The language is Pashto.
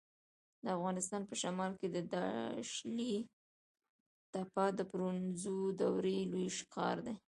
د افغانستان په شمال کې د داشلي تپه د برونزو دورې لوی ښار و